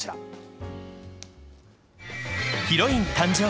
ヒロイン誕生！